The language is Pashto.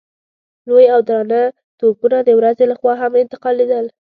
لوی او درانه توپونه د ورځې له خوا هم انتقالېدل.